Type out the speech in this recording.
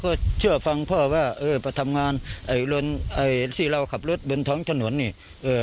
เขาเชื่อฟังพ่อว่าทำงานที่เราขับรถบนท้องถนนนี่